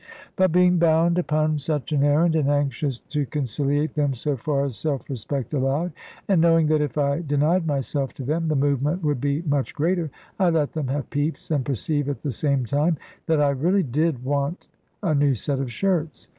But being bound upon such an errand, and anxious to conciliate them so far as self respect allowed, and knowing that if I denied myself to them, the movement would be much greater, I let them have peeps, and perceive at the same time that I really did want a new set of shirts.